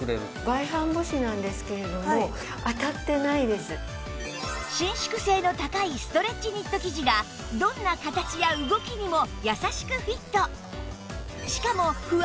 ではしかも伸縮性の高いストレッチニット生地がどんな形や動きにも優しくフィット